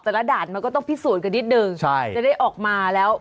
ด่านมันก็ต้องพิสูจน์กันนิดนึงใช่จะได้ออกมาแล้ว